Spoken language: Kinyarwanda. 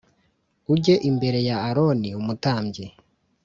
Ujye imbere ya Aroni umutambyi